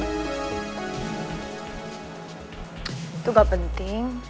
itu gak penting